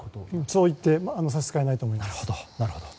そう言って差し支えないと思います。